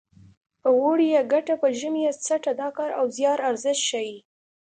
په اوړي یې ګټه په ژمي یې څټه د کار او زیار ارزښت ښيي